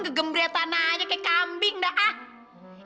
kegembretan aja kayak kambing dah